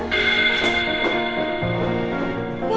ya ampun tante